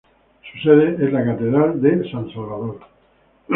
Su sede es la Catedral de San Salvador.